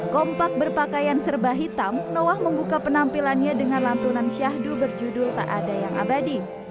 kompak berpakaian serba hitam noah membuka penampilannya dengan lantunan syahdu berjudul tak ada yang abadi